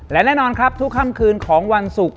และแน่นอนครับทุกค่ำคืนของวันศุกร์